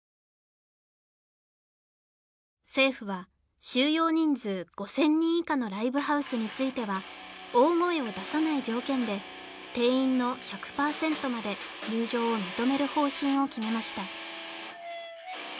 政府は収容人数５０００人以下のライブハウスについては大声を出さない条件で定員の１００％まで入場を認める方針を決めました